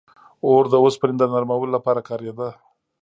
• اور د اوسپنې د نرمولو لپاره کارېده.